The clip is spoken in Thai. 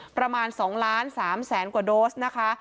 ประมาณ๒ล้าน๓แสนกว่าโดสนะคะ